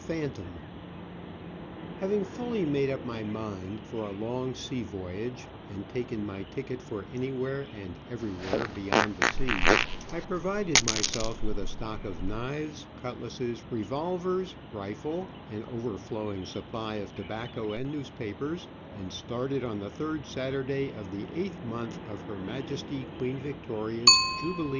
^^AVING fully made up my mind for a long sea voyage, and taken my ticket for anywhere and everywhere beyond the seas, I provided myself with a stock of knives, cutlasses, revolvers, rifle, an overflowing supply of tobacco and newspapers, and started on the third Saturday of the eighth month of Her Majesty Queen Victorias Jubilee year.